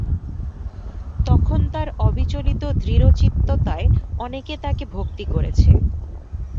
তখন তার অবিচলিত দৃঢ়চিত্ততায় অনেকে তাকে ভক্তি করেছে।